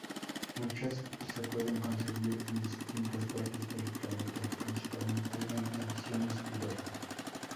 Muchas se pueden conseguir en distintas partes del planeta, principalmente en ediciones piratas.